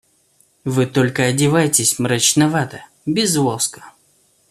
Вы только одеваетесь мрачновато, без лоска.